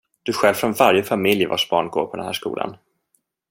Du stjäl från varje familj vars barn går på den här skolan.